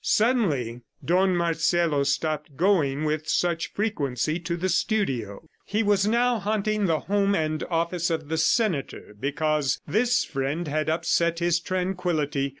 Suddenly Don Marcelo stopped going with such frequency to the studio. He was now haunting the home and office of the senator, because this friend had upset his tranquillity.